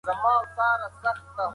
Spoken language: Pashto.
جرمونه په هغو سیمو کې ډېر سوي وو.